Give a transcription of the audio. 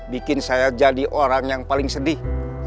bikin saya jadi orang yang paling sedih